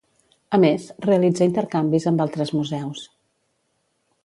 A més, realitza intercanvis amb altres museus.